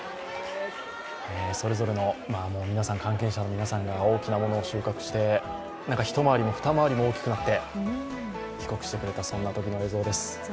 それぞれの関係者の皆さんが大きなものを収穫して一回りも二回りも大きくなって帰国してくれた、そんな時の映像です。